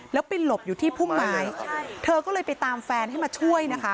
แล้วไปหลบอยู่ที่พุ่มไม้เธอก็เลยไปตามแฟนให้มาช่วยนะคะ